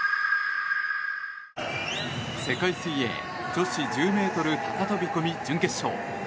世界水泳女子１０ｍ高飛込準決勝。